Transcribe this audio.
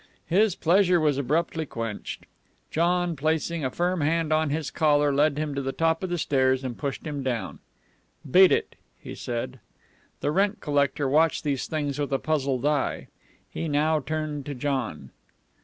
His pleasure was abruptly quenched. John, placing a firm hand on his collar, led him to the top of the stairs and pushed him down. "Beat it," he said. The rent collector watched these things with a puzzled eye. He now turned to John.